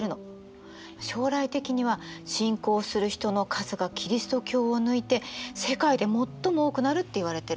将来的には信仰する人の数がキリスト教を抜いて世界で最も多くなるっていわれてる。